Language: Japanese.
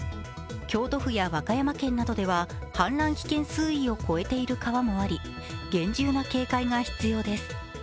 京都府や和歌山県などでは氾濫危険水位を超えている川もあり厳重な警戒が必要です。